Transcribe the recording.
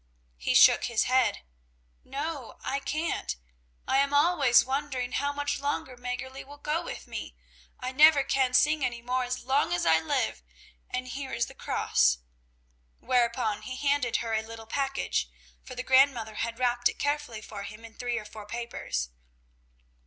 He shook his head. "No, I can't. I am always wondering how much longer Mäggerli will go with me. I never can sing any more as long as I live, and here is the cross." Whereupon he handed her a little package, for the grandmother had wrapped it carefully for him in three or four papers.